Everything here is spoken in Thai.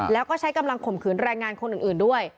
แล้วก็ใช้กำลังข่มขืนแรงงานคนอื่นด้วย